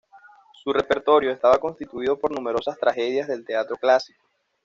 Su repertorio estaba constituido por numerosas tragedias del teatro clásico.